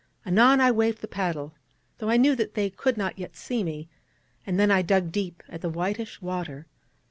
Anon I waved the paddle, though I knew that they could not yet see me, and then I dug deep at the whitish water.